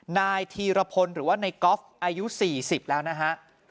นายธีรพลหรือว่าในกอล์ฟอายุ๔๐แล้วนะฮะ